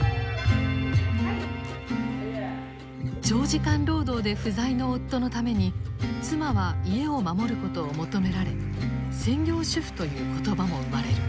長時間労働で不在の夫のために妻は家を守ることを求められ専業主婦という言葉も生まれる。